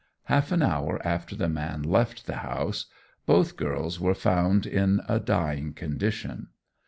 Half an hour after the man left the house, both girls were found in a dying condition.